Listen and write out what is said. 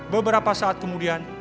beberapa saat kemudian